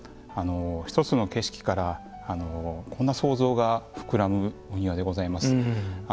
一つの景色からこんな想像が膨らむお庭でございます。